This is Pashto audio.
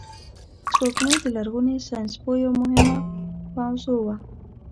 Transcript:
سپوږمۍ د لرغوني ساینس یوه مهمه موضوع وه